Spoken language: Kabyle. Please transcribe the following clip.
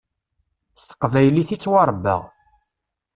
S teqbaylit i ttwaṛebbaɣ.